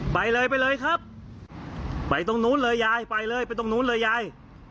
ไปเลยไปเลยครับไปตรงนู้นเลยยายไปเลยไปตรงนู้นเลยยาย